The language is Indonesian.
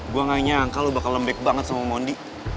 gue gak nyangka lo bakal lembek banget sama mondi